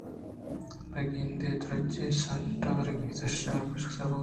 بلے کَنٛگ ءِ درٛاجیں سُنٹ وارگی تُشے ہمے آپِشکاں سر بوُت